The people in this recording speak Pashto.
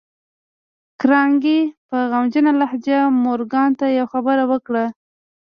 کارنګي په غمجنه لهجه مورګان ته يوه خبره وکړه.